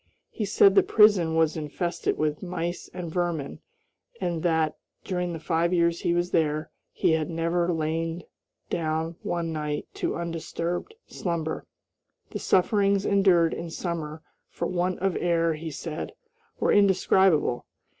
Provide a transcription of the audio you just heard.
He said the prison was infested with mice and vermin, and that, during the five years he was there, he had never lain down one night to undisturbed slumber. The sufferings endured in summer for want of air, he said, were indescribable.